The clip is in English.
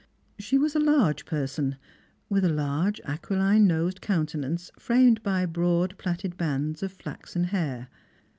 She was a large person, with a large aquiline nosed counten ance framed by broad plaited bands of flaxen hair.